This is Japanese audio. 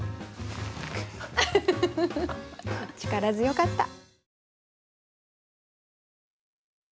力強かった。